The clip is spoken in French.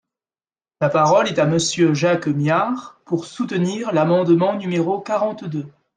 La parole est à Monsieur Jacques Myard, pour soutenir l’amendement numéro quarante-deux.